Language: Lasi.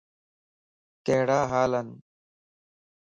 ڪھڙا ھالن؟